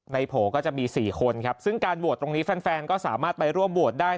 โผล่ก็จะมี๔คนครับซึ่งการโหวตตรงนี้แฟนก็สามารถไปร่วมโหวตได้